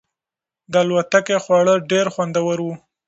د الوتکې خواړه ډېر خوندور وو.